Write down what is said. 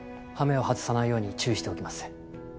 ハメを外さないように注意しておきます。